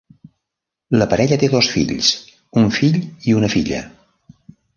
La parella té dos fills: un fill i una filla.